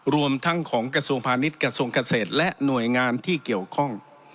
รวมทั้งของกระทรวงพาณิชย์กระทรวงเกษตรและหน่วยงานที่เกี่ยวข้อง